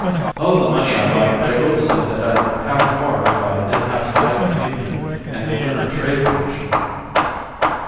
"Oh, the money I like, but I will say that I'd have more if I didn't have to fight the union and the Lunar Trade Commission."